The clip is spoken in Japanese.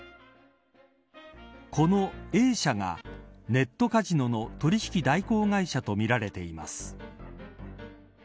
このＡ社がネットカジノの取引代行会社とみられています。